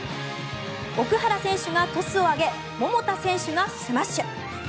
奥原選手がトスを上げ桃田選手がスマッシュ。